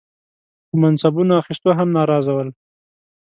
په منصبونو اخیستو هم ناراضه ول.